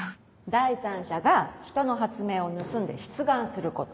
第三者が人の発明を盗んで出願すること。